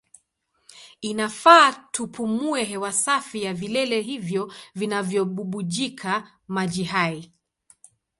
Inafaa tupumue hewa safi ya vilele hivyo vinavyobubujika maji hai.